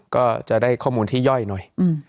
ก็จะได้ข้อมูลที่ย่อยหน่อย